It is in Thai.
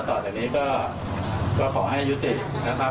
ต่อแต่นี้ก็ขอให้ยุติธรรมนะครับ